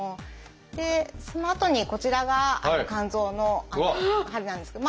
でそのあとにこちらが肝臓の針なんですけど。